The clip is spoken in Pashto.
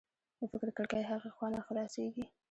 د فکر کړکۍ هغې خوا نه خلاصېږي